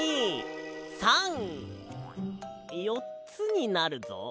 １２３よっつになるぞ。